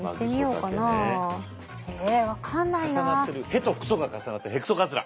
「ヘ」と「クソ」が重なってるヘクソカズラ。